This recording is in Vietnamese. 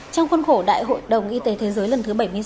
trong khuôn khổ đại hội đồng y tế thế giới lần thứ bảy mươi sáu